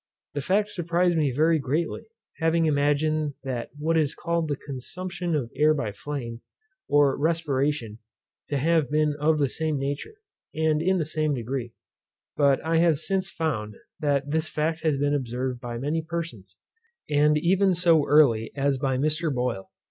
This fact surprized me very greatly, having imagined that what is called the consumption of air by flame, or respiration, to have been of the same nature, and in the same degree; but I have since found, that this fact has been observed by many persons, and even so early as by Mr. Boyle.